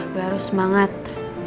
gue harus semangat